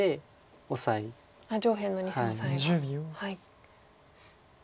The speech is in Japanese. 上辺の２線オサエが。